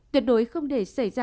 tuyệt đối không để xảy ra